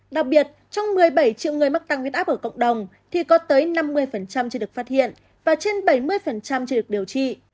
đặc biệt trong một mươi bảy triệu người mắc tăng huyết áp ở cộng đồng thì có tới năm mươi chưa được phát hiện và trên bảy mươi chưa được điều trị